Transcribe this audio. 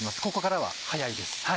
ここからは早いです。